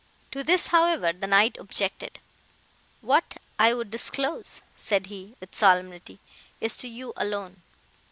"To this, however, the Knight objected. "'What I would disclose,' said he, with solemnity, 'is to you alone.